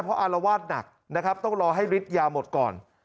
เพราะอารวาสหนักนะครับต้องรอให้ฤทธิ์ยาหมดก่อน